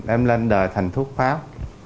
em lên đời thành thuốc pháp